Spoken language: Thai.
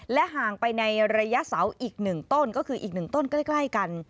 ห่างไปในระยะเสาอีก๑ต้นก็คืออีก๑ต้นใกล้กัน